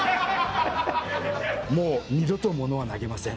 「もう二度と物は投げません」。